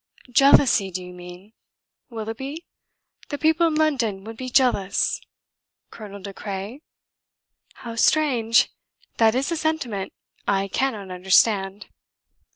"Jealousy, do you mean. Willoughby? the people in London would be jealous? Colonel De Craye? How strange! That is a sentiment I cannot understand."